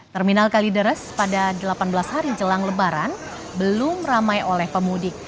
terminal kalideres pada delapan belas hari jelang lebaran belum ramai oleh pemudik